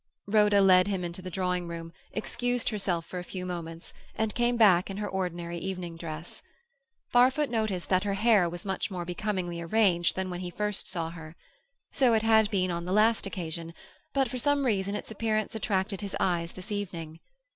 Rhoda led him to the drawing room, excused herself for a few moments, and came back in her ordinary evening dress. Barfoot noticed that her hair was much more becomingly arranged than when he first saw her; so it had been on the last occasion, but for some reason its appearance attracted his eyes this evening.